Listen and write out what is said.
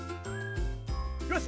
よし。